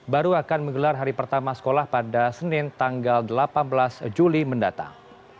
baru akan menggelar hari pertama sekolah pada senin tanggal delapan belas juli mendatang